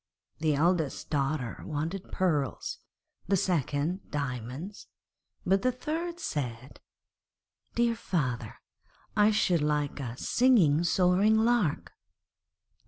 The eldest wanted pearls, the second diamonds, but the third said, 'Dear father, I should like a singing, soaring lark.'